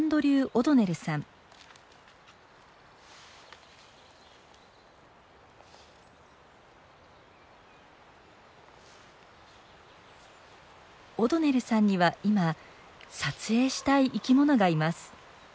オドネルさんには今撮影したい生き物がいます。